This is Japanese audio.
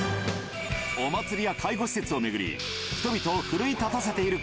お祭りや介護施設を巡り、人々を奮い立たせている